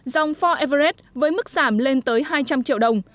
dòng ford everest với mức giảm lên tới hai trăm linh triệu đồng